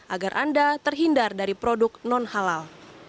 agar anda terhindar dari produk non halal